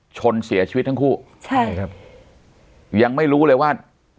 ชนเสียชีวิตทั้งคู่ใช่ครับยังไม่รู้เลยว่า